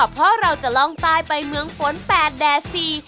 เพราะเราจะลองตายไปเมืองฝน๘แดดซี